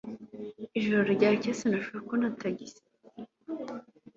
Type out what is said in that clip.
Ijoro ryakeye sinashoboye kubona tagisi